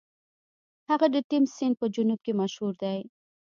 هغه د تیمس سیند په جنوب کې مشهور دی.